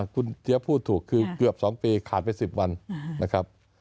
คุณเจี๊ยบพูดถูกคือเกือบ๒ปีขาดไป๑๐วันนะครับ